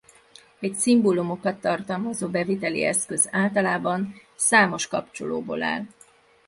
Egy szimbólumokat tartalmazó beviteli eszköz általában számos kapcsolóból áll.